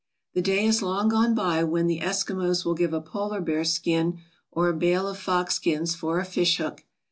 The day jgps long gone by when the Eskimos will give a polar bear skin or a bale of fox skins for a fishhook.